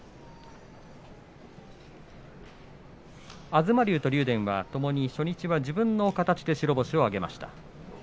東龍と竜電は、ともに初日は自分の形で白星を挙げました。